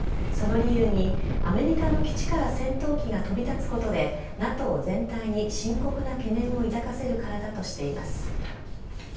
その理由に、アメリカの基地から戦闘機が飛び立つことで、ＮＡＴＯ全体に深刻な懸念を抱かせるからだとしています。